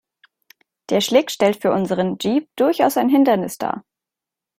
Der Schlick stellt für unseren Jeep durchaus ein Hindernis dar.